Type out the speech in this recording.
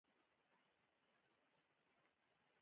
اخلاق او زغم ورک ارزښتونه وو.